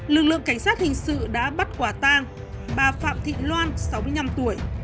lực lượng cảnh sát hình sự đã bắt quả tang bà phạm thị loan sáu mươi năm tuổi